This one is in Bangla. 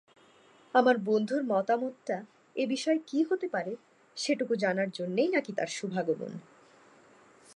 আমার বন্ধুর মতামতটা এ বিষয়ে কী হতে পারে সেটুকু জানার জন্যেই নাকি তার শুভাগমন।